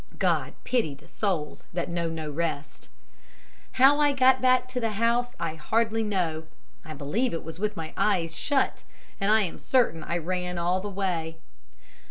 God pity the souls that know no rest. "How I got back to the house I hardly know. I believe it was with my eyes shut, and I am certain I ran all the way.